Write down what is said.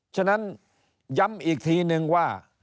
ฉะนั้นย้ำอีกทีนึงว่า